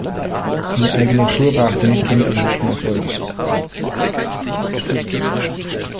Eine eigene Tour brachte nicht den erwünschten Erfolg.